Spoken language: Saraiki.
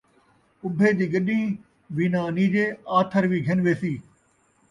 اُبھے دی گݙہیں وی نہ انیجے، آتھر وی گھِن ویسی